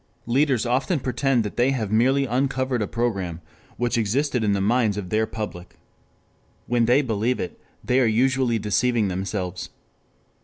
3 Leaders often pretend that they have merely uncovered a program which existed in the minds of their public. When they believe it, they are usually deceiving themselves.